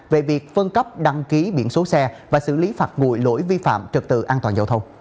về việc phân cấp đăng ký biển số xe và xử lý phạt ngụy lỗi vi phạm trật tự an toàn